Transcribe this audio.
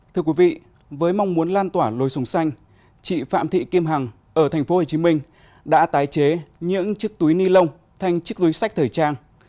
thưa quý vị với mong muốn lan tỏa lối sùng xanh chị phạm thị kim hằng ở tp hcm đã tái chế những chiếc túi ni lông thành chiếc túi sách thời trang